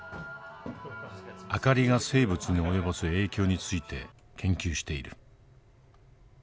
明かりが生物に及ぼす影響について研究している。